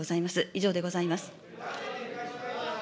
以上でございます。